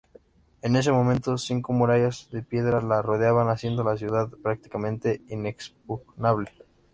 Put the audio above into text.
En ese momento, cinco murallas de piedra la rodeaban, haciendo la ciudad prácticamente inexpugnable.